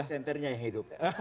ini presenternya yang hidup